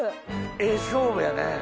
ええ勝負やね。